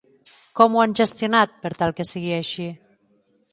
Com ho han gestionat per tal que sigui així?